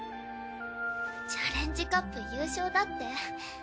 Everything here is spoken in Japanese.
チャレンジカップ優勝だって。